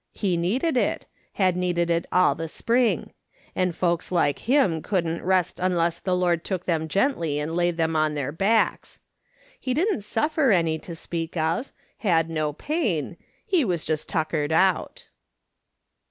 He needed it, liad needed it all the spring ; and folks like him couldn't rest unless the Lord took them gently and laid them on their backs. He didn't suffer any to speak of, had no pain; he was just tuckered out.